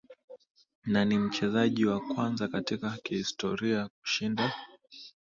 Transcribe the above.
Na ni mchezaji wa kwanza katika historia kushinda